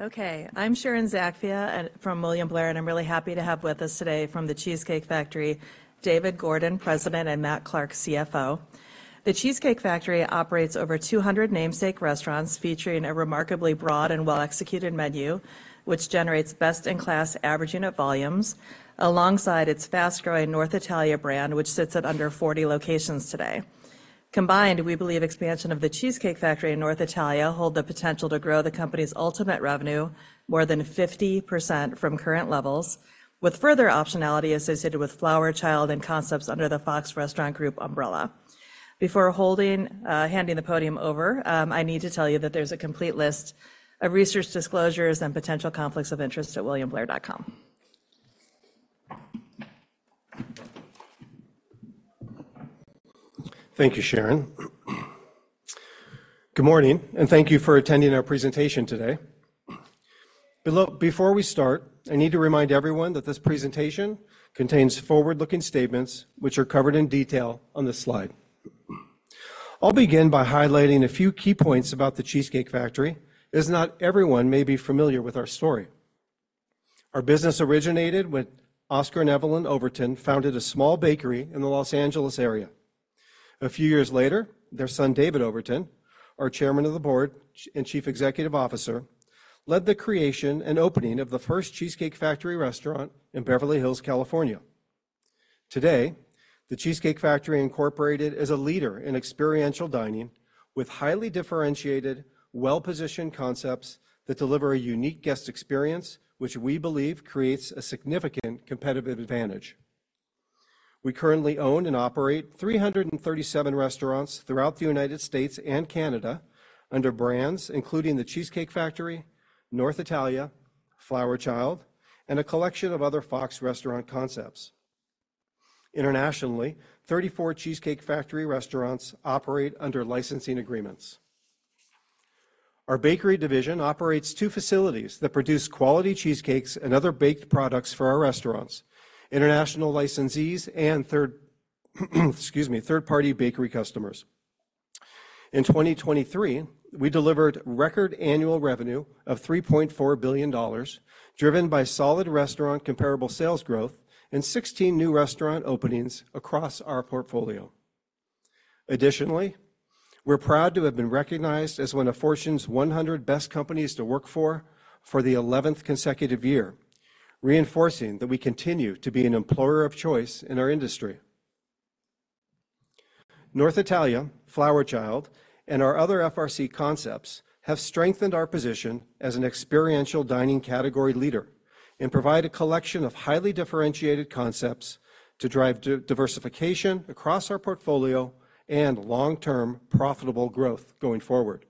Okay, I'm Sharon Zackfia, and from William Blair, and I'm really happy to have with us today from The Cheesecake Factory, David Gordon, President, and Matt Clark, CFO. The Cheesecake Factory operates over 200 namesake restaurants featuring a remarkably broad and well-executed menu, which generates best-in-class average unit volumes, alongside its fast-growing North Italia brand, which sits at under 40 locations today. Combined, we believe expansion of The Cheesecake Factory and North Italia hold the potential to grow the company's ultimate revenue more than 50% from current levels, with further optionality associated with Flower Child and concepts under the Fox Restaurant Concepts umbrella. Before handing the podium over, I need to tell you that there's a complete list of research disclosures and potential conflicts of interest at williamblair.com. Thank you, Sharon. Good morning, and thank you for attending our presentation today. Before we start, I need to remind everyone that this presentation contains forward-looking statements which are covered in detail on this slide. I'll begin by highlighting a few key points about The Cheesecake Factory, as not everyone may be familiar with our story. Our business originated when Oscar and Evelyn Overton founded a small bakery in the Los Angeles area. A few years later, their son, David Overton, our Chairman of the Board and Chief Executive Officer, led the creation and opening of the first Cheesecake Factory restaurant in Beverly Hills, California. Today, The Cheesecake Factory Incorporated is a leader in experiential dining, with highly differentiated, well-positioned concepts that deliver a unique guest experience, which we believe creates a significant competitive advantage. We currently own and operate 337 restaurants throughout the United States and Canada under brands including The Cheesecake Factory, North Italia, Flower Child, and a collection of other Fox Restaurant Concepts. Internationally, 34 Cheesecake Factory restaurants operate under licensing agreements. Our bakery division operates two facilities that produce quality cheesecakes and other baked products for our restaurants, international licensees, and third-party bakery customers. In 2023, we delivered record annual revenue of $3.4 billion, driven by solid restaurant comparable sales growth and 16 new restaurant openings across our portfolio. Additionally, we're proud to have been recognized as one of Fortune's 100 Best Companies to Work For for the 11th consecutive year, reinforcing that we continue to be an employer of choice in our industry. North Italia, Flower Child, and our other FRC concepts have strengthened our position as an experiential dining category leader and provide a collection of highly differentiated concepts to drive diversification across our portfolio and long-term profitable growth going forward.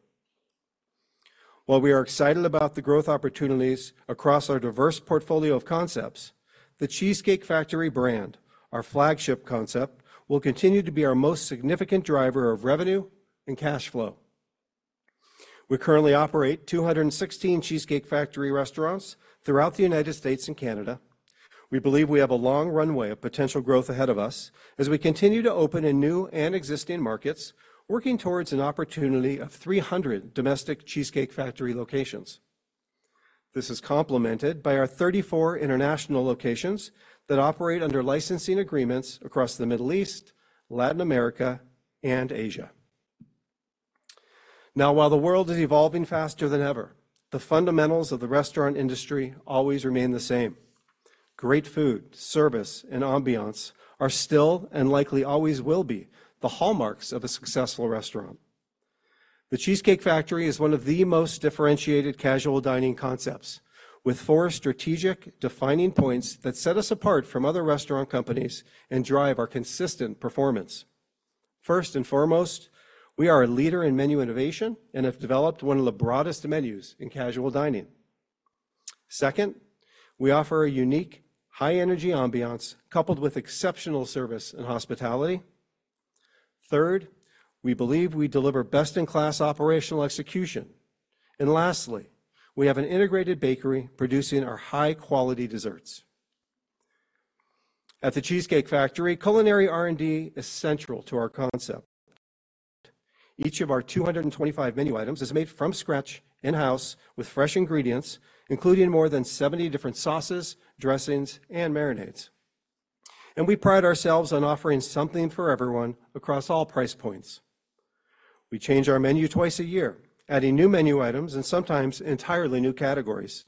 While we are excited about the growth opportunities across our diverse portfolio of concepts, the Cheesecake Factory brand, our flagship concept, will continue to be our most significant driver of revenue and cash flow. We currently operate 216 Cheesecake Factory restaurants throughout the United States and Canada. We believe we have a long runway of potential growth ahead of us as we continue to open in new and existing markets, working towards an opportunity of 300 domestic Cheesecake Factory locations. This is complemented by our 34 international locations that operate under licensing agreements across the Middle East, Latin America, and Asia. Now, while the world is evolving faster than ever, the fundamentals of the restaurant industry always remain the same. Great food, service, and ambiance are still, and likely always will be, the hallmarks of a successful restaurant. The Cheesecake Factory is one of the most differentiated casual dining concepts, with four strategic defining points that set us apart from other restaurant companies and drive our consistent performance. First and foremost, we are a leader in menu innovation and have developed one of the broadest menus in casual dining. Second, we offer a unique, high-energy ambiance coupled with exceptional service and hospitality. Third, we believe we deliver best-in-class operational execution. And lastly, we have an integrated bakery producing our high-quality desserts. At The Cheesecake Factory, culinary R&D is central to our concept. Each of our 225 menu items is made from scratch in-house with fresh ingredients, including more than 70 different sauces, dressings, and marinades. We pride ourselves on offering something for everyone across all price points. We change our menu twice a year, adding new menu items and sometimes entirely new categories.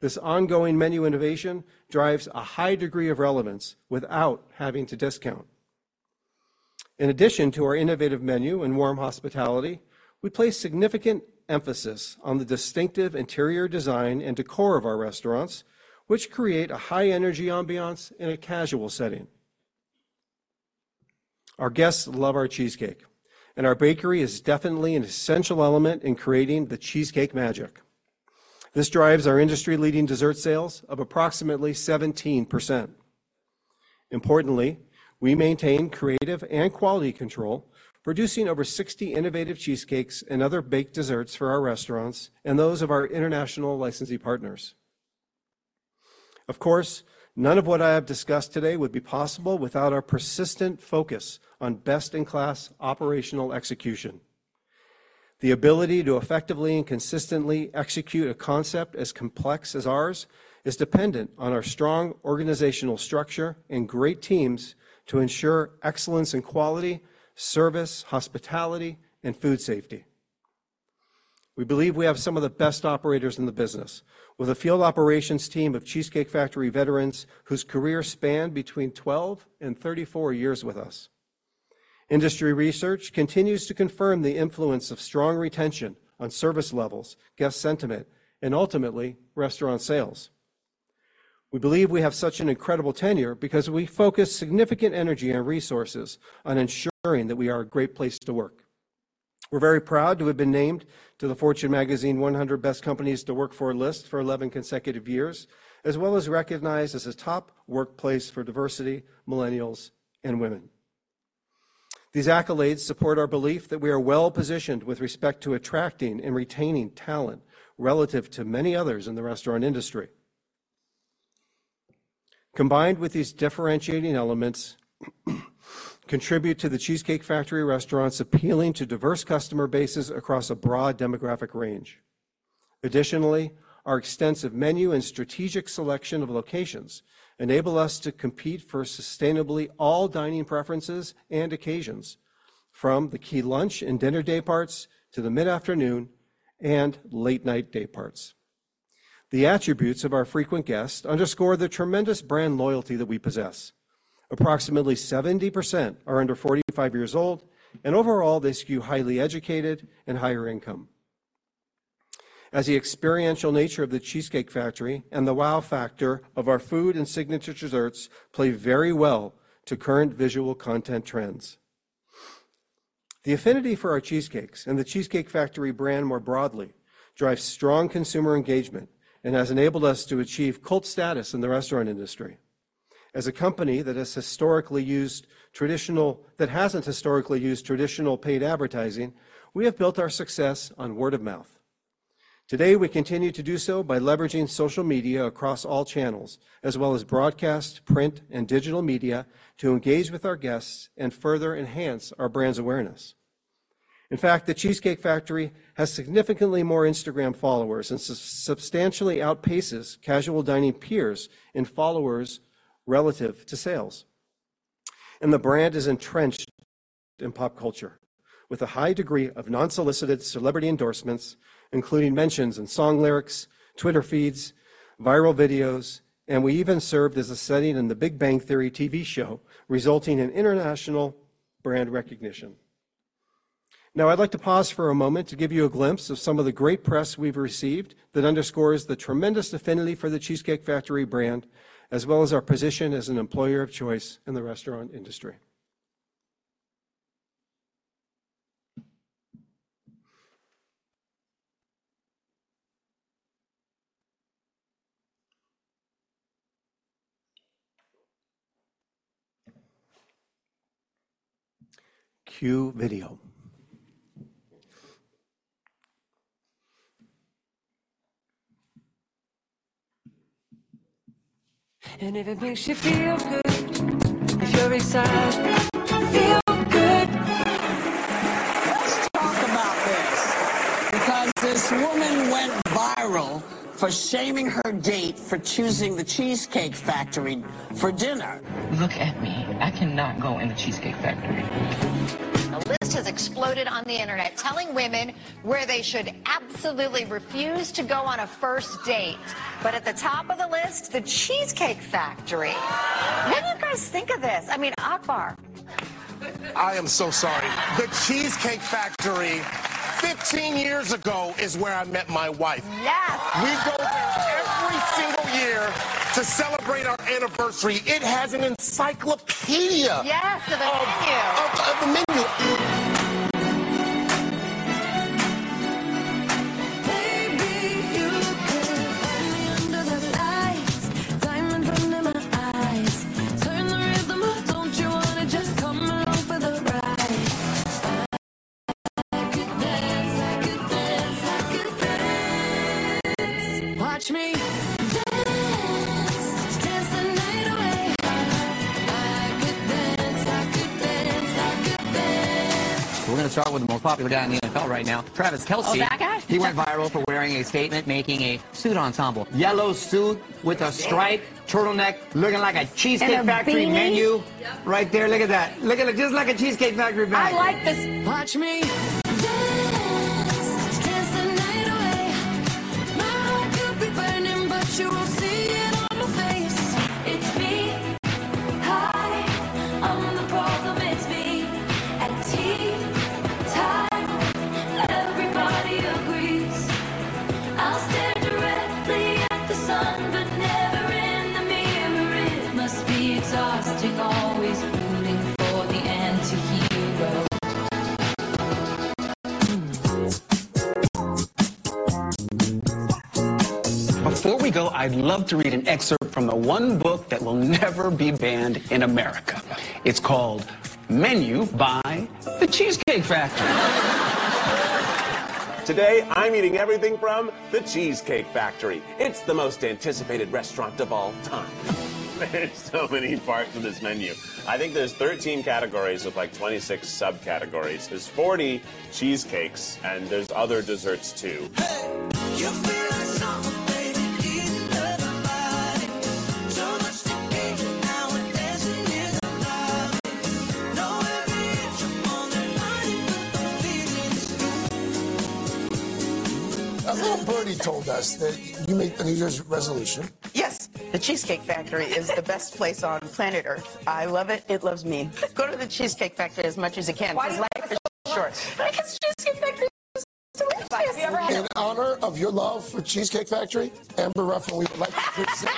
This ongoing menu innovation drives a high degree of relevance without having to discount. In addition to our innovative menu and warm hospitality, we place significant emphasis on the distinctive interior design and decor of our restaurants, which create a high-energy ambiance in a casual setting. Our guests love our cheesecake, and our bakery is definitely an essential element in creating the cheesecake magic. This drives our industry-leading dessert sales of approximately 17%. Importantly, we maintain creative and quality control, producing over 60 innovative cheesecakes and other baked desserts for our restaurants and those of our international licensee partners. Of course, none of what I have discussed today would be possible without our persistent focus on best-in-class operational execution. The ability to effectively and consistently execute a concept as complex as ours is dependent on our strong organizational structure and great teams to ensure excellence in quality, service, hospitality, and food safety. We believe we have some of the best operators in the business, with a field operations team of Cheesecake Factory veterans whose careers span between 12 and 34 years with us. Industry research continues to confirm the influence of strong retention on service levels, guest sentiment, and ultimately, restaurant sales. We believe we have such an incredible tenure because we focus significant energy and resources on ensuring that we are a great place to work. We're very proud to have been named to the Fortune Magazine 100 Best Companies to Work For list for 11 consecutive years, as well as recognized as a top workplace for diversity, millennials, and women. These accolades support our belief that we are well-positioned with respect to attracting and retaining talent relative to many others in the restaurant industry. Combined with these differentiating elements, contribute to the Cheesecake Factory restaurants appealing to diverse customer bases across a broad demographic range. Additionally, our extensive menu and strategic selection of locations enable us to compete for sustainably all dining preferences and occasions, from the key lunch and dinner dayparts, to the mid-afternoon and late-night dayparts. The attributes of our frequent guests underscore the tremendous brand loyalty that we possess. Approximately 70% are under 45 years old, and overall, they skew highly educated and higher income. As the experiential nature of the Cheesecake Factory and the wow factor of our food and signature desserts play very well to current visual content trends. The affinity for our cheesecakes and the Cheesecake Factory brand more broadly, drives strong consumer engagement and has enabled us to achieve cult status in the restaurant industry. As a company that hasn't historically used traditional paid advertising, we have built our success on word of mouth. Today, we continue to do so by leveraging social media across all channels, as well as broadcast, print, and digital media, to engage with our guests and further enhance our brand's awareness. In fact, the Cheesecake Factory has significantly more Instagram followers and substantially outpaces casual dining peers and followers relative to sales. And the brand is entrenched in pop culture, with a high degree of unsolicited celebrity endorsements, including mentions in song lyrics, Twitter feeds, viral videos, and we even served as a setting in The Big Bang Theory TV show, resulting in international brand recognition. Now, I'd like to pause for a moment to give you a glimpse of some of the great press we've received that underscores the tremendous affinity for the Cheesecake Factory brand, as well as our position as an employer of choice in the restaurant industry. Cue video. If it makes you feel good, you're excited. Feel good! Let's talk about this, because this woman went viral for shaming her date for choosing the Cheesecake Factory for dinner. Look at me, I cannot go in a Cheesecake Factory. A list has exploded on the internet, telling women where they should absolutely refuse to go on a first date. But at the top of the list, The Cheesecake Factory. What do you guys think of this? I mean, Akbar. I am so sorry. The Cheesecake Factory, 15 years ago, is where I met my wife. Yes! We go there every single year to celebrate our anniversary. It has an encyclopedia- Yes, of a menu. dance. Let's dance the night away. My heart could be burning, but you won't see it on my face. It's me, hi, I'm the problem, it's me. At tea time, everybody agrees. I'll stare directly at the sun, but never in the mirror. It must be exhausting, always rooting for the anti-hero. Before we go, I'd love to read an excerpt from the one book that will never be banned in America. It's called Menu by The Cheesecake Factory.... Today, I'm eating everything from The Cheesecake Factory. It's the most anticipated restaurant of all time. There's so many parts of this menu. I think there's 13 categories with, like, 26 subcategories. There's 40 cheesecakes, and there's other desserts, too. Hey! You feel like something, baby, in another body. So much to do, now we're dancing in the lobby. Know every inch of all that body, but the feeling is good. A little birdie told us that you made a New Year's resolution. Yes, The Cheesecake Factory is the best place on planet Earth. I love it. It loves me. Go to The Cheesecake Factory as much as you can- Why the Cheesecake Factory? Because life is short. Because Cheesecake Factory is delicious! In honor of your love for Cheesecake Factory, Amber Ruffin, we would like to present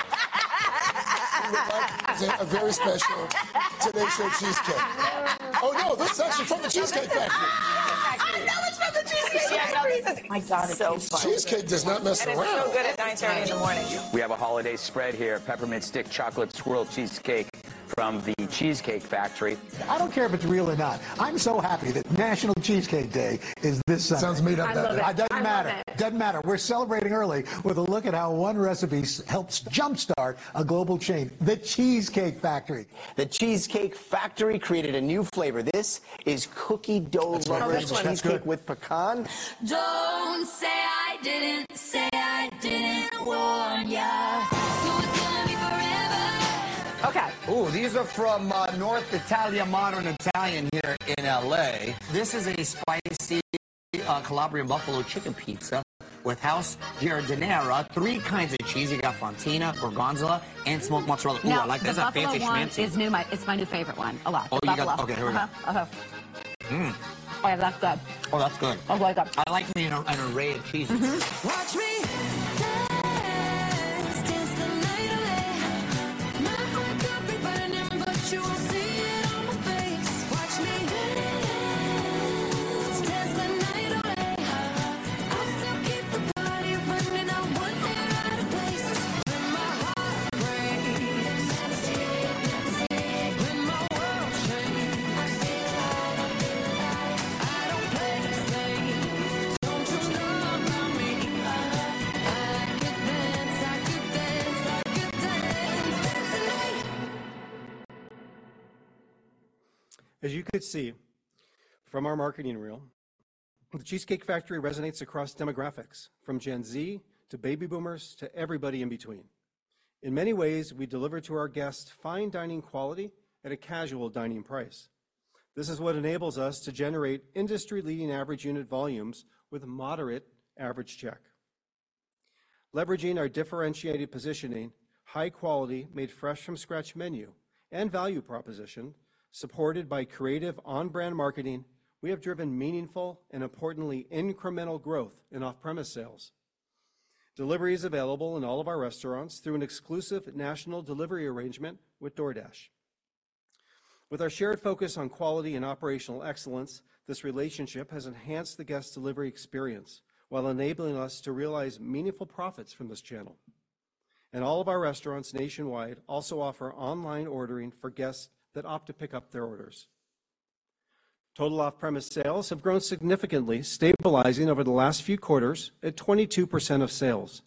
a very special Today Show cheesecake. Oh, yo, this is actually from the Cheesecake Factory. I know it's from the Cheesecake Factory! My God, it's so fun. Cheesecake does not mess around. It's so good at 9:30 A.M. We have a holiday spread here, peppermint stick chocolate swirl cheesecake from the Cheesecake Factory. I don't care if it's real or not. I'm so happy that National Cheesecake Day is this Sunday. Sounds made up, though. I love it. It doesn't matter. I love it. Doesn't matter. We're celebrating early with a look at how one recipe helped jumpstart a global chain, the Cheesecake Factory. The Cheesecake Factory created a new flavor. This is cookie dough rubber- That's right. Cheesecake with pecan. Don't say I didn't warn ya. So it's gonna be forever. Okay. Ooh, these are from, North Italia Modern Italian here in L.A. This is a spicy, Calabrian Buffalo Chicken Pizza with house giardiniera, three kinds of cheese. You got fontina, gorgonzola, and smoked mozzarella. Now, like, that's a fancy schmancy- Ooh, the buffalo one is new. It's my new favorite one. A lot. Oh, you love- Buffalo. Okay, here we go. Uh-huh. Uh-huh. Mm. Oh, that's good. Oh, that's good. I like that. I like me an array of cheeses. Mm-hmm. Watch me dance, dance the night away. Makeup might be running, but you won't see it on my face. Watch me dance, dance the night away. I'll still keep the party running, not one hair out of place. When my heart breaks, gonna dance to it, gonna dance to it. When my world shakes, I stay alive, I feel alive. I don't play it safe. Don't you know about me? I could dance, I could dance, I could dance tonight! As you could see from our marketing reel, the Cheesecake Factory resonates across demographics, from Gen Z to baby boomers to everybody in between. In many ways, we deliver to our guests fine dining quality at a casual dining price. This is what enables us to generate industry-leading average unit volumes with a moderate average check. Leveraging our differentiated positioning, high quality, made-fresh-from-scratch menu, and value proposition, supported by creative on-brand marketing, we have driven meaningful and, importantly, incremental growth in off-premise sales. Delivery is available in all of our restaurants through an exclusive national delivery arrangement with DoorDash. With our shared focus on quality and operational excellence, this relationship has enhanced the guest delivery experience while enabling us to realize meaningful profits from this channel. And all of our restaurants nationwide also offer online ordering for guests that opt to pick up their orders. Total off-premise sales have grown significantly, stabilizing over the last few quarters at 22% of sales,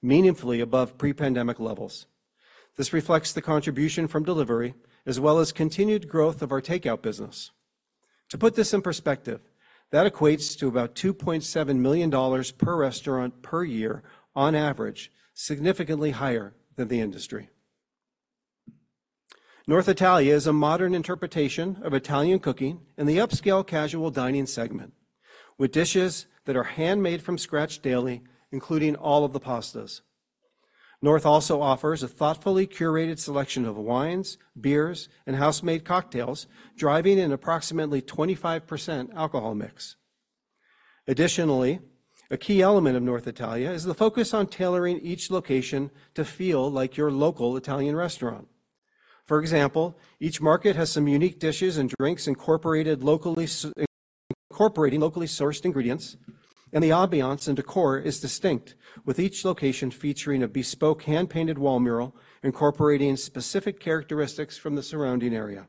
meaningfully above pre-pandemic levels. This reflects the contribution from delivery, as well as continued growth of our takeout business. To put this in perspective, that equates to about $2.7 million per restaurant per year on average, significantly higher than the industry. North Italia is a modern interpretation of Italian cooking in the upscale casual dining segment, with dishes that are handmade from scratch daily, including all of the pastas. North also offers a thoughtfully curated selection of wines, beers, and house-made cocktails, driving an approximately 25% alcohol mix. Additionally, a key element of North Italia is the focus on tailoring each location to feel like your local Italian restaurant. For example, each market has some unique dishes and drinks incorporated locally incorporating locally sourced ingredients, and the ambiance and decor is distinct, with each location featuring a bespoke hand-painted wall mural incorporating specific characteristics from the surrounding area.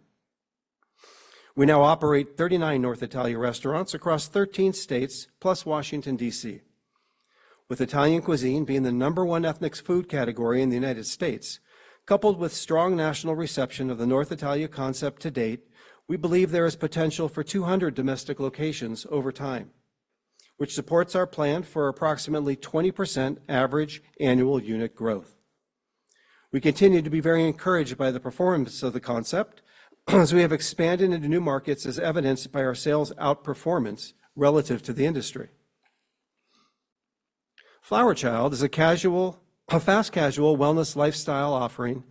We now operate 39 North Italia restaurants across 13 states, plus Washington, D.C. With Italian cuisine being the number one ethnic food category in the United States, coupled with strong national reception of the North Italia concept to date, we believe there is potential for 200 domestic locations over time, which supports our plan for approximately 20% average annual unit growth. We continue to be very encouraged by the performance of the concept, as we have expanded into new markets, as evidenced by our sales outperformance relative to the industry. Flower Child is a fast-casual wellness lifestyle offering,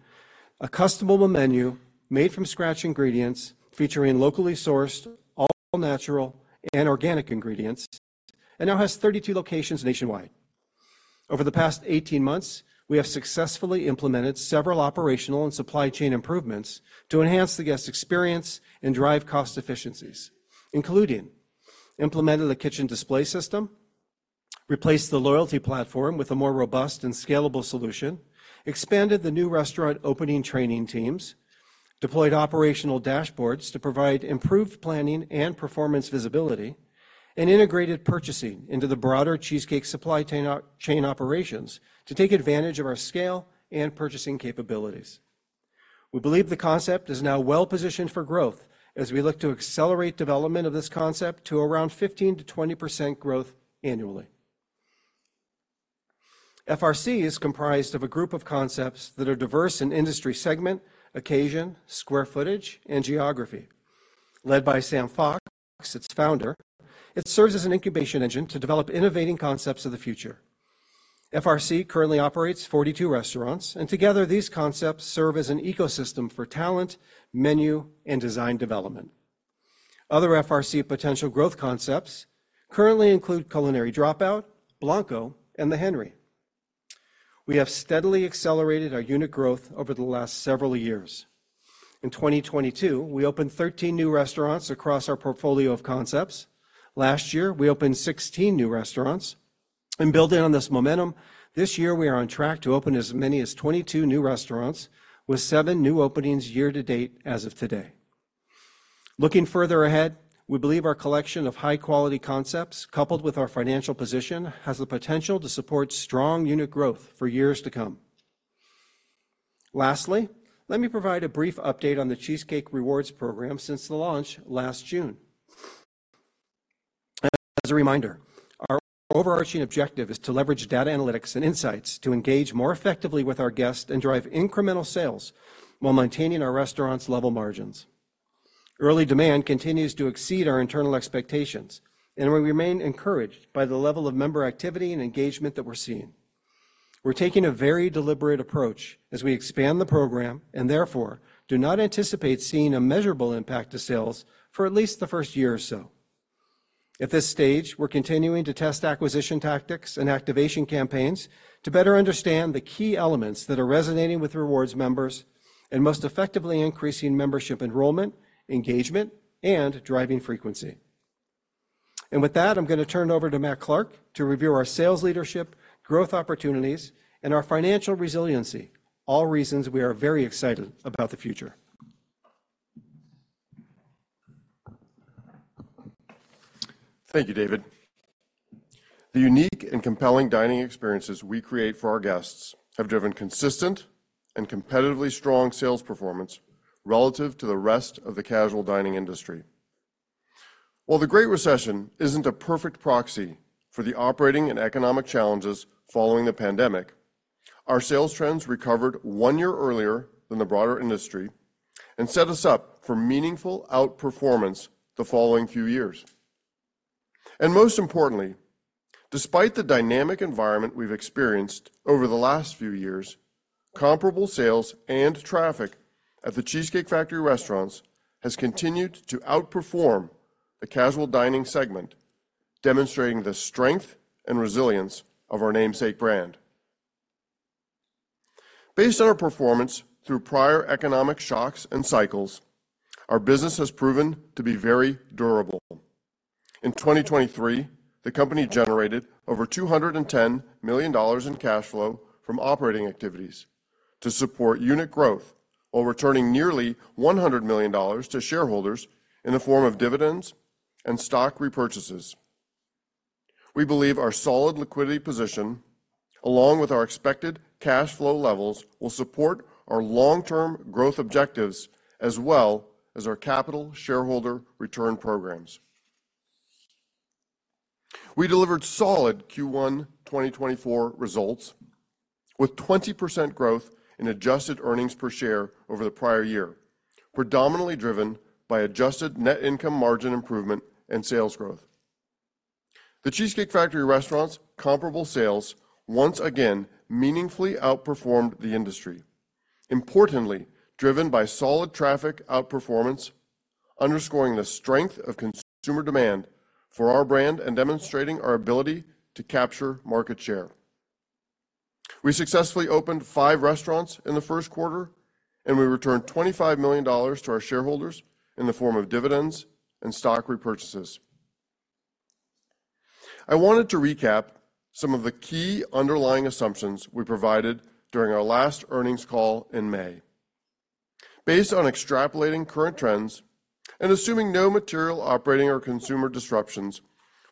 a customizable menu made from scratch ingredients, featuring locally sourced, all-natural, and organic ingredients, and now has 32 locations nationwide. Over the past 18 months, we have successfully implemented several operational and supply chain improvements to enhance the guest experience and drive cost efficiencies, including implementing a kitchen display system, replaced the loyalty platform with a more robust and scalable solution, expanded the new restaurant opening training teams, deployed operational dashboards to provide improved planning and performance visibility, and integrated purchasing into the broader Cheesecake supply chain operations to take advantage of our scale and purchasing capabilities. We believe the concept is now well positioned for growth as we look to accelerate development of this concept to around 15%-20% growth annually. FRC is comprised of a group of concepts that are diverse in industry segment, occasion, square footage, and geography. Led by Sam Fox, its founder, it serves as an incubation engine to develop innovating concepts of the future. FRC currently operates 42 restaurants, and together, these concepts serve as an ecosystem for talent, menu, and design development. Other FRC potential growth concepts currently include Culinary Dropout, Blanco, and The Henry. We have steadily accelerated our unit growth over the last several years. In 2022, we opened 13 new restaurants across our portfolio of concepts. Last year, we opened 16 new restaurants. Building on this momentum, this year we are on track to open as many as 22 new restaurants, with 7 new openings year to date as of today. Looking further ahead, we believe our collection of high-quality concepts, coupled with our financial position, has the potential to support strong unit growth for years to come. Lastly, let me provide a brief update on the Cheesecake Rewards program since the launch last June. As a reminder, our overarching objective is to leverage data analytics and insights to engage more effectively with our guests and drive incremental sales while maintaining our restaurant's level margins. Early demand continues to exceed our internal expectations, and we remain encouraged by the level of member activity and engagement that we're seeing. We're taking a very deliberate approach as we expand the program, and therefore, do not anticipate seeing a measurable impact to sales for at least the first year or so. At this stage, we're continuing to test acquisition tactics and activation campaigns to better understand the key elements that are resonating with rewards members and most effectively increasing membership enrollment, engagement, and driving frequency. With that, I'm going to turn it over to Matt Clark to review our sales leadership, growth opportunities, and our financial resiliency, all reasons we are very excited about the future. Thank you, David. The unique and compelling dining experiences we create for our guests have driven consistent and competitively strong sales performance relative to the rest of the casual dining industry. While the Great Recession isn't a perfect proxy for the operating and economic challenges following the pandemic, our sales trends recovered one year earlier than the broader industry and set us up for meaningful outperformance the following few years. Most importantly, despite the dynamic environment we've experienced over the last few years, comparable sales and traffic at the Cheesecake Factory restaurants has continued to outperform the casual dining segment, demonstrating the strength and resilience of our namesake brand. Based on our performance through prior economic shocks and cycles, our business has proven to be very durable. In 2023, the company generated over $210 million in cash flow from operating activities to support unit growth, while returning nearly $100 million to shareholders in the form of dividends and stock repurchases. We believe our solid liquidity position, along with our expected cash flow levels, will support our long-term growth objectives, as well as our capital shareholder return programs. We delivered solid Q1 2024 results, with 20% growth in adjusted earnings per share over the prior year, predominantly driven by adjusted net income margin improvement and sales growth. The Cheesecake Factory restaurants' comparable sales once again meaningfully outperformed the industry, importantly, driven by solid traffic outperformance, underscoring the strength of consumer demand for our brand and demonstrating our ability to capture market share. We successfully opened five restaurants in the first quarter, and we returned $25 million to our shareholders in the form of dividends and stock repurchases. I wanted to recap some of the key underlying assumptions we provided during our last earnings call in May. Based on extrapolating current trends and assuming no material operating or consumer disruptions,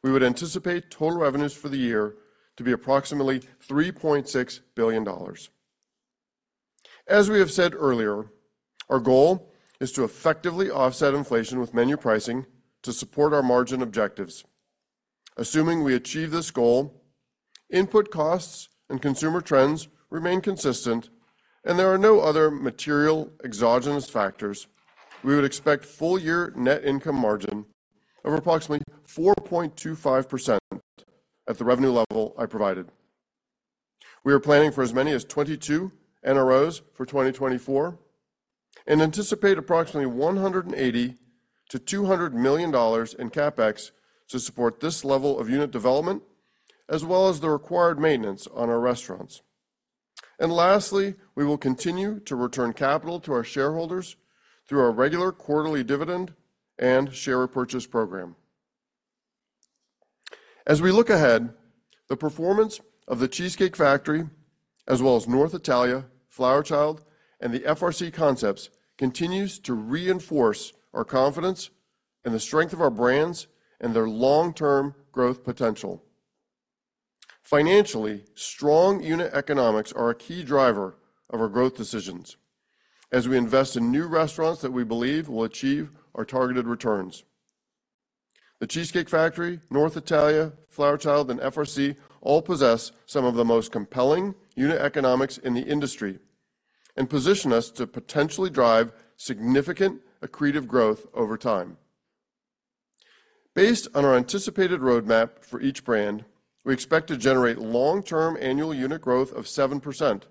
we would anticipate total revenues for the year to be approximately $3.6 billion. As we have said earlier, our goal is to effectively offset inflation with menu pricing to support our margin objectives. Assuming we achieve this goal, input costs and consumer trends remain consistent, and there are no other material exogenous factors, we would expect full year net income margin of approximately 4.25% at the revenue level I provided. We are planning for as many as 22 NROs for 2024 and anticipate approximately $180 million-$200 million in CapEx to support this level of unit development, as well as the required maintenance on our restaurants. Lastly, we will continue to return capital to our shareholders through our regular quarterly dividend and share repurchase program. As we look ahead, the performance of The Cheesecake Factory, as well as North Italia, Flower Child, and the FRC concepts, continues to reinforce our confidence in the strength of our brands and their long-term growth potential. Financially, strong unit economics are a key driver of our growth decisions as we invest in new restaurants that we believe will achieve our targeted returns. The Cheesecake Factory, North Italia, Flower Child, and FRC all possess some of the most compelling unit economics in the industry and position us to potentially drive significant accretive growth over time. Based on our anticipated roadmap for each brand, we expect to generate long-term annual unit growth of 7%,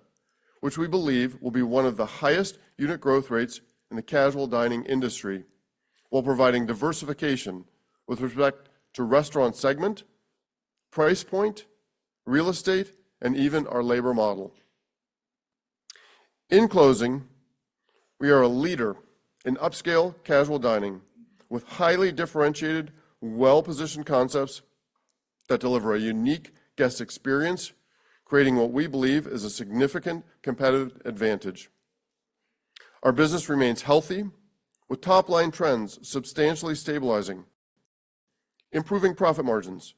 which we believe will be one of the highest unit growth rates in the casual dining industry, while providing diversification with respect to restaurant segment, price point, real estate, and even our labor model. In closing, we are a leader in upscale casual dining with highly differentiated, well-positioned concepts that deliver a unique guest experience, creating what we believe is a significant competitive advantage. Our business remains healthy, with top-line trends substantially stabilizing, improving profit margins,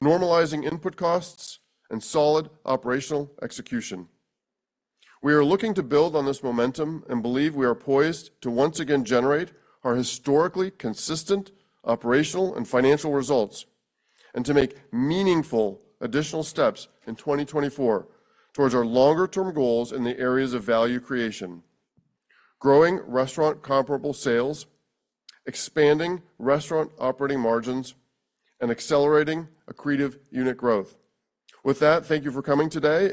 normalizing input costs, and solid operational execution. We are looking to build on this momentum and believe we are poised to once again generate our historically consistent operational and financial results, and to make meaningful additional steps in 2024 towards our longer-term goals in the areas of value creation, growing restaurant comparable sales, expanding restaurant operating margins, and accelerating accretive unit growth. With that, thank you for coming today.